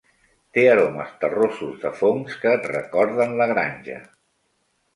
Té aromes terrosos de fongs que et recorden la granja.